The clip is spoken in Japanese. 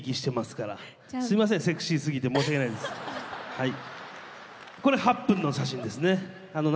はい。